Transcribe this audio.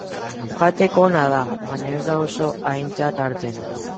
Jateko ona da, baina ez da oso aintzat hartzen.